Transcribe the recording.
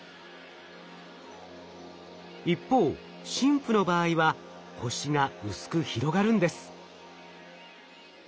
一方ＳＩＭＰの場合は星が薄く広がるんです。